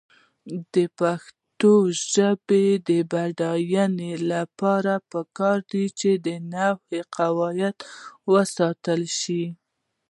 د پښتو ژبې د بډاینې لپاره پکار ده چې نحوي قواعد وساتل شي.